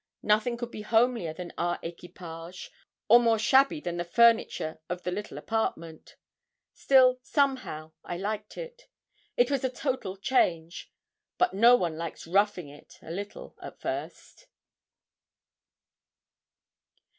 Nothing could be homelier than our equipage, or more shabby than the furniture of the little apartment. Still, somehow, I liked it. It was a total change; but one likes 'roughing it' a little at first.